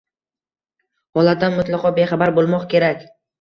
holatdan mutlaqo bexabar bo‘lmoq kerak.